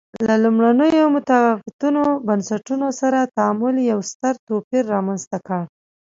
له لومړنیو متفاوتو بنسټونو سره تعامل یو ستر توپیر رامنځته کړ.